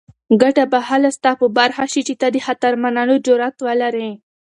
ګټه به هله ستا په برخه شي چې ته د خطر منلو جرات ولرې.